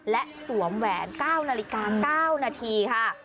และสวมแหวน๙นาฬิกา๙นาทีค่ะ